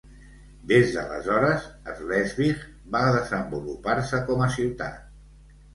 Des d'aleshores, Slesvig va desenvolupar-se com a ciutat.